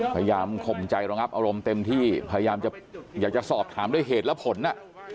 พยายามขอบใจละครับอารมณ์เต็มที่พยายามจะสอบถามด้วยเหตุและผลน่ะ